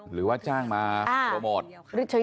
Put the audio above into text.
หรือว่าจ้างมาโปรโมท